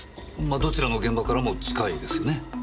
まどちらの現場からも近いですよね。